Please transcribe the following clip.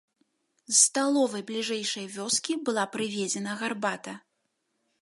З сталовай бліжэйшай вёскі была прывезена гарбата.